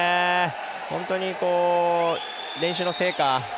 本当に練習の成果。